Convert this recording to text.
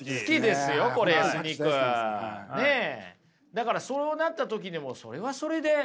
だからそうなった時でもそれはそれでねえ。